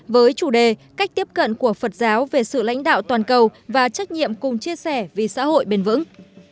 với chủ đề cách tiếp cận của phật giáo về sự lãnh đạo toàn cầu và trách nhiệm cùng chia sẻ vì xã hội bền vững